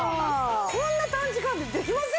こんな短時間でできませんよね普通ね。